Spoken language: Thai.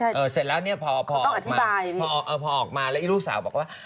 เสร็จแล้วเนี่ยพอพอออกมาแล้วอีลูกสาวบอกว่า